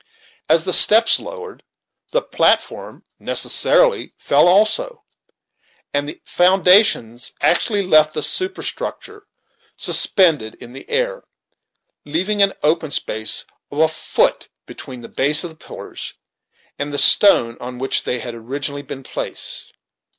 As the steps lowered the platform necessarily fell also, and the foundations actually left the superstructure suspended in the air, leaving an open space of a foot between the base of the pillars and the stones on which they had originally been placed.